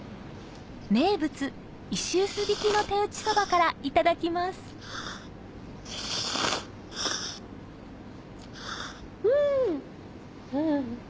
名物石臼びきの手打ちそばからいただきますうん！